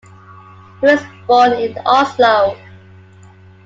He was born in Oslo.